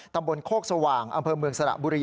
ตำบลโคกสว่างอำเภอเมืองสระบุรี